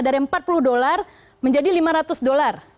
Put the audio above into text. dari empat puluh dolar menjadi lima ratus dolar